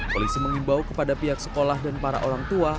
polisi mengimbau kepada pihak sekolah dan para orang tua